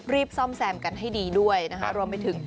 ซ่อมแซมกันให้ดีด้วยนะคะรวมไปถึง